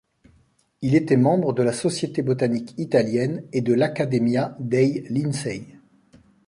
Il était membre de la Société botanique italienne et de l'Accademia dei Lincei.